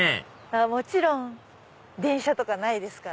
もちろん電車とかないですから。